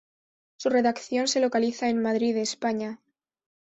Su redacción se localiza en Madrid, España.